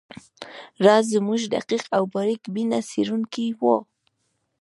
راز زموږ دقیق او باریک بینه څیړونکی وو